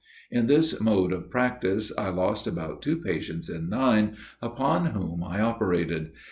In this mode of practice, I lost about two patients in nine, upon whom I operated.